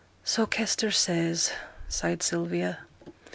'So Kester says,' sighed Sylvia.